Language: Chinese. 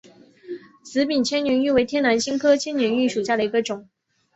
紫柄千年芋为天南星科千年芋属下的一个种。